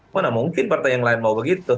mana mungkin partai yang lain mau begitu